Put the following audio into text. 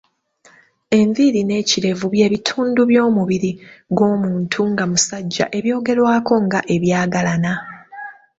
Enviiri n'ekirevu byebitundu by’omubiri gw’omuntu nga musajja ebyogerwako nga ebyagalana.